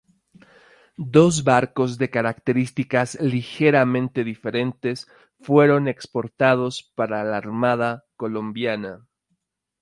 Dos barcos de características ligeramente diferentes fueron exportados para la Armada Colombiana.